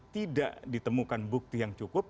tidak ditemukan bukti yang cukup